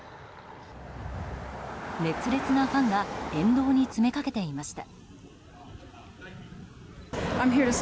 熱烈なファンが沿道に詰め掛けていました。